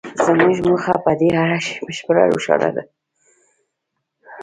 زموږ موخه په دې اړه بشپړه روښانه ده